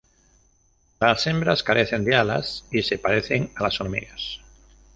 Las hembras carecen de alas y se parecen a las hormigas.